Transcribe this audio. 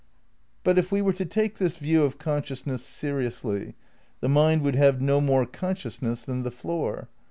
But, if we were to take this view of consciousness seriously, the mind would have no more consciousness than the floor.